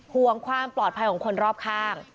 ห่วงความปลอดภัยของคนรอบข้าง